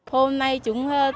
hôm nay chúng tôi